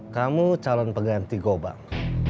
kamu calon peganti gobang